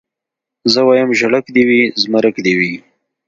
زه وايم ژړک دي وي زمرک دي وي